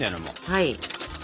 はい。